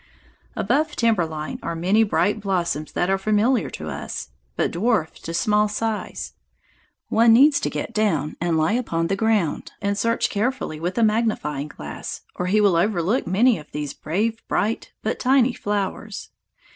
Above timber line are many bright blossoms that are familiar to us, but dwarfed to small size. One needs to get down and lie upon the ground and search carefully with a magnifying glass, or he will overlook many of these brave bright but tiny flowers.